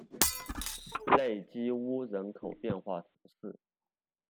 勒基乌人口变化图示